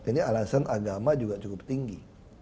ini alasan agama juga cukup tinggi